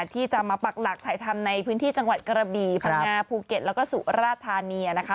ที่จะมาปักหลักถ่ายทำในพื้นที่จังหวัดกระบี่พังงาภูเก็ตแล้วก็สุราธานีนะคะ